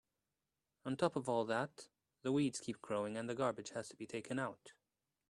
On top of all that, the weeds keep growing and the garbage has to be taken out.